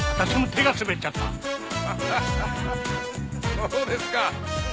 そうですか？